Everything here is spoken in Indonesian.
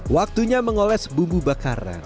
waktunya mengoles bumbu bakaran